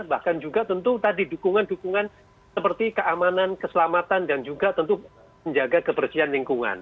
bahkan juga tentu tadi dukungan dukungan seperti keamanan keselamatan dan juga tentu menjaga kebersihan lingkungan